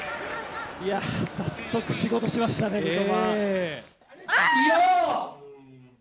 早速仕事しましたね、三笘。